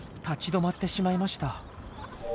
立ち止まってしまいました。